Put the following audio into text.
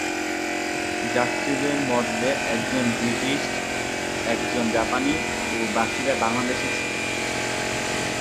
যাত্রীদের মধ্যে একজন ব্রিটিশ, একজন জাপানি ও বাকিরা বাংলাদেশী ছিল।